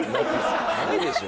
ないでしょ。